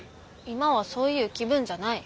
今はそういう気分じゃない。